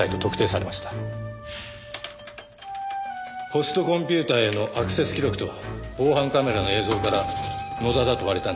ホストコンピューターへのアクセス記録と防犯カメラの映像から野田だと割れたんです。